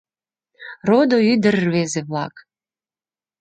— Родо ӱдыр-рвезе-влак!